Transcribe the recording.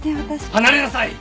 離れなさい！